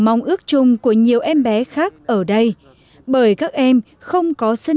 mong ước chung của nhiều em bé khác ở đây bởi các em không có sân chơi riêng của mình